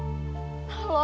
tidak ada yang maksa